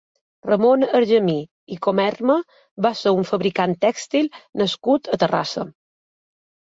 Ramon Argemí i Comerma va ser un fabricant tèxtil nascut a Terrassa.